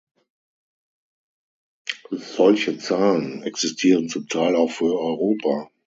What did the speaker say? Solche Zahlen existieren zum Teil auch für Europa.